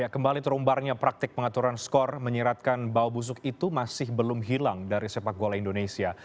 kembali terumbarnya praktik pengaturan skor menyiratkan bau busuk itu masih belum hilang dari sepak bola indonesia